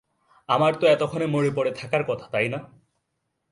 আমার তো এতক্ষণে মরে পড়ে থাকার কথা, তাই না?